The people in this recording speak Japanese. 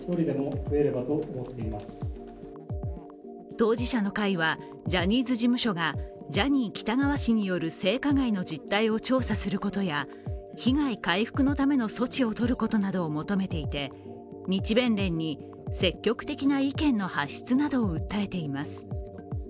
当事者の会はジャニーズ事務所がジャニー喜多川氏による性加害の実態を調査することや被害回復のための措置をとることなどを求めていて日弁連に積極的な意見の発出などを訴えています。